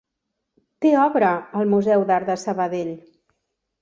Té obra al Museu d'Art de Sabadell.